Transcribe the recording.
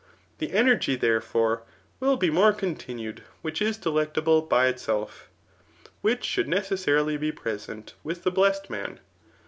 The energy, therefore, will be more continued wl^i^is delectable by itself; which should necessarily be pre$^t with the blessed man.